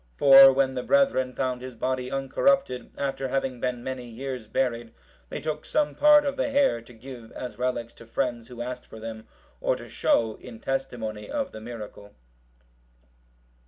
For when the brethren found his body uncorrupted, after having been many years buried, they took some part of the hair, to give, as relics, to friends who asked for them, or to show, in testimony of the miracle.